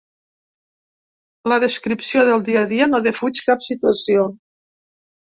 La descripció del dia a dia no defuig cap situació.